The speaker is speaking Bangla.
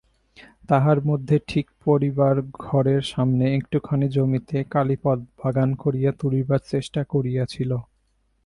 তাহার মধ্যে ঠিক পড়িবার ঘরের সামনে একটুখানি জমিতে কালীপদ বাগান করিয়া তুলিবার চেষ্টা করিয়াছিল।